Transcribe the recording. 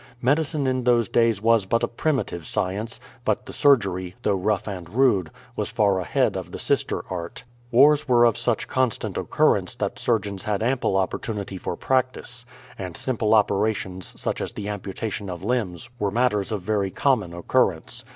Medicine in those days was but a primitive science, but the surgery, though rough and rude, was far ahead of the sister art. Wars were of such constant occurrence that surgeons had ample opportunity for practice; and simple operations such as the amputation of limbs, were matters of very common occurrence.